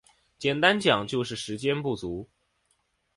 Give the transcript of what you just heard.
简单讲就是时间不足